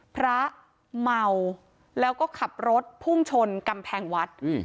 พระเมาแล้วก็ขับรถพุ่งชนกำแพงวัด